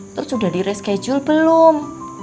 terus sudah di reschedule belum